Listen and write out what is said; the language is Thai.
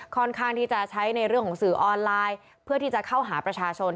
ค่อนข้างที่จะใช้ในเรื่องของสื่อออนไลน์เพื่อที่จะเข้าหาประชาชน